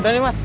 udah nih mas